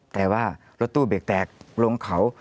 แต่ว่ารถตู้เบรกแตกลงเขา